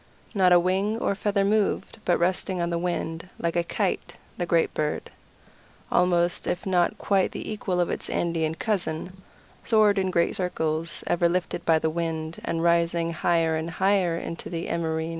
Not a wing or feather moved, but resting on the wind, like a kite, the great bird, almost if not quite the equal of its Andean cousin, soared in great circles, ever lifted by the wind, and rising higher and higher into the empyrean.